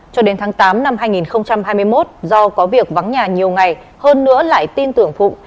cho đến tháng tám năm hai nghìn hai mươi một do có việc vắng nhà nhiều ngày hơn nữa lại tin tưởng phụng